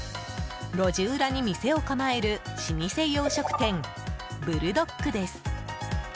路地裏に店を構える老舗洋食店ブルドックです。